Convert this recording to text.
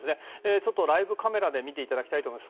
ちょっとライブカメラで見ていただきたいと思います。